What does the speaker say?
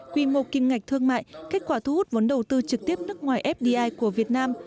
quy mô kim ngạch thương mại kết quả thu hút vốn đầu tư trực tiếp nước ngoài fdi của việt nam